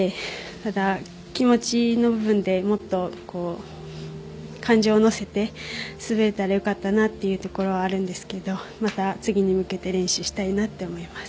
ただ、気持ちの部分でもっと感情を乗せて滑れたら良かったなと思うところはあるんですがまた次に向けて練習したいなと思います。